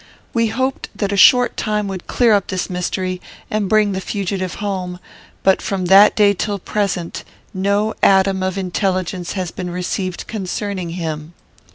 "'We hoped that a short time would clear up this mystery, and bring the fugitive home; but, from that day till the present, no atom of intelligence has been received concerning him.